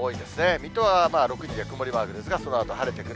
水戸は６時で曇りマークですが、そのあと晴れてくる。